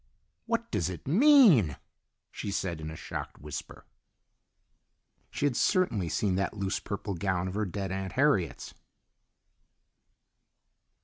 "What does it mean?" she said in a shocked whisper. She had certainly seen that loose purple gown of her dead Aunt Harriet's.